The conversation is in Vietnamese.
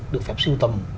được phép sưu tầm